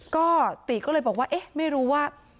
ก็ติก็เลยบอกว่าเอ๊ะไม่รู้ว่า